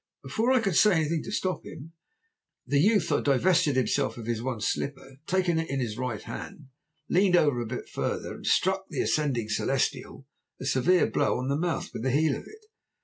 Before I could say anything to stop him, the youth had divested himself of his one slipper, taken it in his right hand, leaned over a bit farther, and struck the ascending Celestial a severe blow on the mouth with the heel of it.